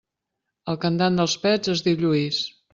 El cantant dels Pets es diu Lluís.